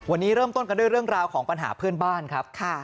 วันนี้เริ่มต้นกันด้วยเรื่องราวของปัญหาเพื่อนบ้านครับ